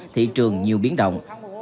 thị trường nhiều biến động